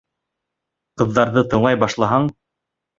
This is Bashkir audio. Ҡыҙҙарҙы тыңлай башлаһаң...